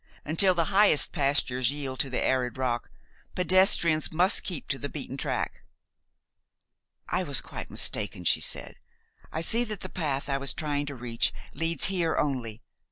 Until the highest pastures yield to the arid rock, pedestrians must keep to the beaten track. "I was quite mistaken," she said. "I see now that the path I was trying to reach leads here only.